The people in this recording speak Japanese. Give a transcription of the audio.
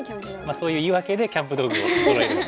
そういう言い訳でキャンプ道具をそろえる。